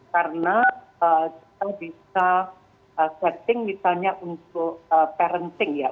karena kita bisa setting misalnya untuk parenting ya